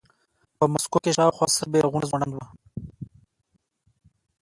په مسکو کې شاوخوا سره بیرغونه ځوړند وو